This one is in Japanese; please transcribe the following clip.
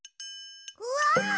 うわ！